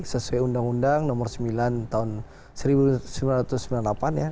sesuai undang undang nomor sembilan tahun seribu sembilan ratus sembilan puluh delapan ya